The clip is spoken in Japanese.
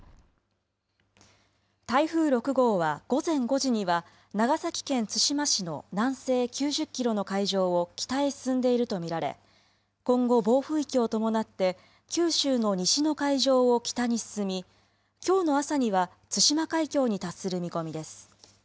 台風６号は午前５時には長崎県対馬市の南西９０キロの海上を北へ進んでいると見られ今後暴風域を伴って九州の西の海上を北に進みきょうの朝には対馬海峡に達する見込みです。